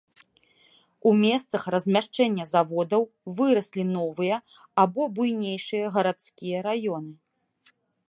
У месцах размяшчэння заводаў выраслі новыя або буйнейшыя гарадскія раёны.